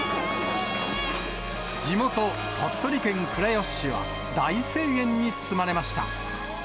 地元、鳥取県倉吉市は大声援に包まれました。